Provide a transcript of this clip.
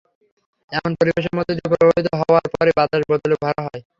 এমন পরিবেশের মধ্য দিয়ে প্রবাহিত হওয়ার পরই বাতাস বোতলে ভরা হয়।